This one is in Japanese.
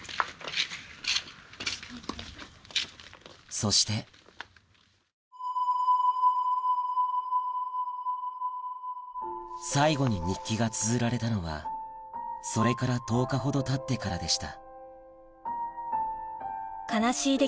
そして最後に日記がつづられたのはそれから１０日ほどたってからでした